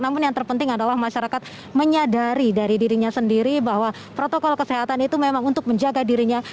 namun yang terpenting adalah masyarakat menyadari dari dirinya sendiri bahwa protokol kesehatan itu memang untuk menjaga dirinya